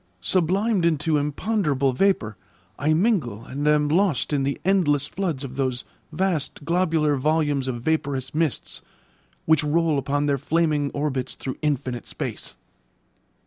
Sublimed into imponderable vapour, I mingle and am lost in the endless foods of those vast globular volumes of vaporous mists, which roll upon their flaming orbits through infinite space.